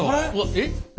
えっ？